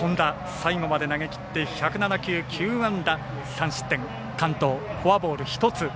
最後まで投げきって１０７球９安打、３失点完投、フォアボール１つ。